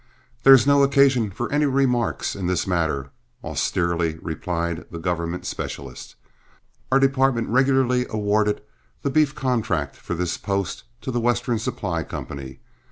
"There is no occasion for any remarks in this matter," austerely replied the government specialist. "Our department regularly awarded the beef contract for this post to The Western Supply Company.